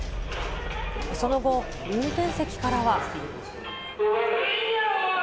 その後、運転席からは。